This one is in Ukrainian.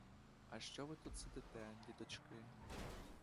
А що ви тут сидите, діточки?